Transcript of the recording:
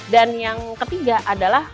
dan yang ketiga adalah